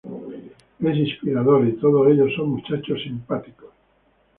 Es inspirador y todos ellos son muchachos simpáticos!